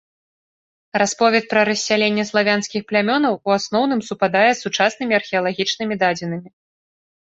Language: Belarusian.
Расповед пра рассяленне славянскіх плямёнаў у асноўным супадае з сучаснымі археалагічнымі дадзенымі.